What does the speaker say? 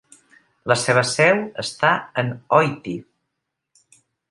La seva seu està en Oitti.